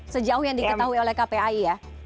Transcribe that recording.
sejauh yang diketahui oleh kpai ya